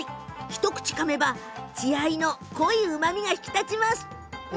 一口かめば血合いの濃いうまみが引き立ちます。